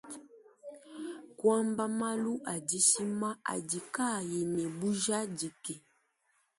Kuamba malu adishima adi kaayi ne bujadiki.